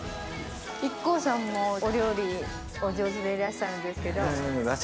ＩＫＫＯさんもお料理お上手でいらっしゃるんですけど。